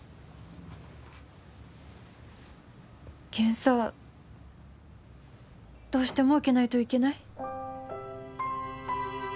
検査どうしても受けないといけない？